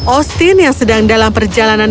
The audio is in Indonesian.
ostin yang sedang dalam perjalanan